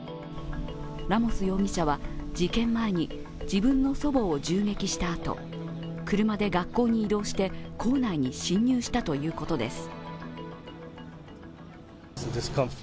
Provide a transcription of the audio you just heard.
ラモス容疑者は事件前に自分の祖母を銃撃したあと、車で学校に移動して、校内に侵入したということです。